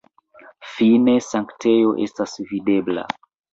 Fine sanktejo estas videbla.